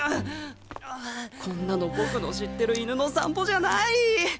こんなの僕の知ってる犬の散歩じゃない！